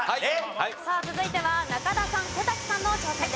さあ続いては中田さん小瀧さんの挑戦です。